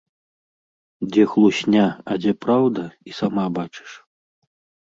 Дзе хлусня, а дзе праўда і сама бачыш.